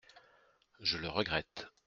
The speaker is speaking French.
Je le regrette.